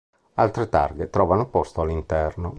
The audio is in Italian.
Altre targhe trovano posto all'interno.